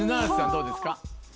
どうですか？